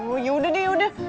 oh yaudah deh yaudah